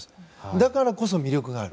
だからこそ魅力がある。